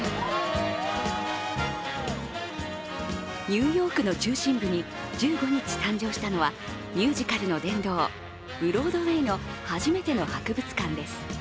ニューヨークの中心部に１５日、誕生したのはミュージカルの殿堂、ブロードウェイの初めての博物館です。